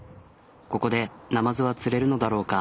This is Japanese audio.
ここでナマズは釣れるのだろうか？